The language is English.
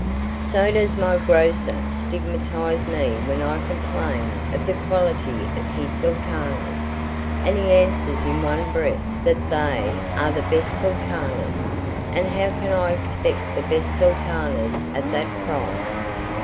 So does my grocer stigmatize me when I complain of the quality of his sultanas, and he answers in one breath that they are the best sultanas, and how can I expect the best sultanas at that price?